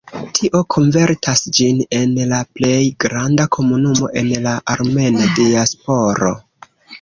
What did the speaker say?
Tio konvertas ĝin en la plej granda komunumo en la armena diasporo.